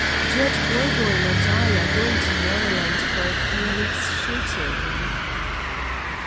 "Judge Burgoyne and I are going to Maryland for a few weeks' shooting."